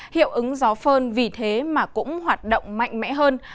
hiệu ứng gió phơn vì thế mà cũng hoạt động mạnh mẽ hơn